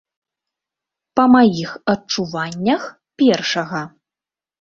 Па маіх адчуваннях, першага.